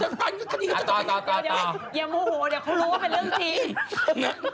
อย่าโมโหเดี๋ยวเขารู้ว่าเป็นเรื่องที